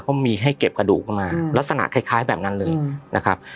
ก็มีให้เก็บกระดูกออกมาอืมลักษณะคล้ายคล้ายแบบนั้นเลยอืมนะครับ